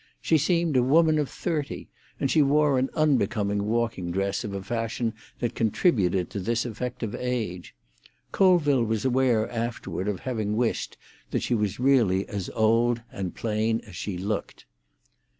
She seemed a woman of thirty, and she wore an unbecoming walking dress of a fashion that contributed to this effect of age. Colville was aware afterward of having wished that she was really as old and plain as she looked.